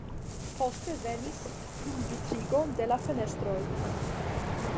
Poste venis plumbvitrigon de la fenestroj.